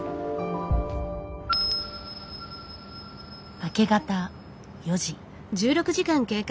明け方４時。